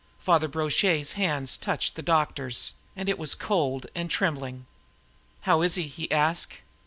Father Brochet's hand touched the doctor's and it was cold and trembling. "How is he?" he asked.